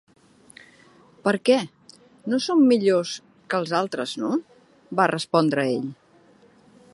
"Per què? No som millors que els altres, no?" va respondre ell.